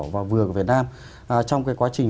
và vừa việt nam trong cái quá trình